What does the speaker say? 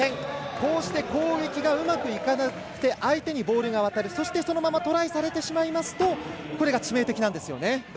こうして攻撃がうまくいかなくて相手にボールが渡るそしてそのままトライされてしまいますと致命的なんですよね。